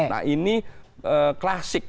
nah ini klasik